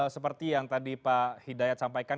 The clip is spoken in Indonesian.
seperti yang tadi pak hidayat sampaikan